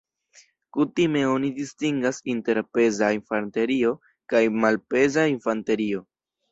Kutime oni distingas inter peza infanterio kaj malpeza infanterio.